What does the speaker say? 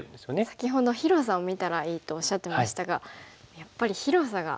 先ほど広さを見たらいいとおっしゃってましたがやっぱり広さが全然違いましたね。